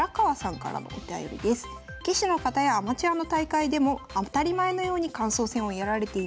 「棋士の方やアマチュアの大会でも当たり前のように感想戦をやられています。